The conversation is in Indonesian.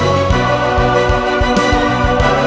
ada yang lebih luas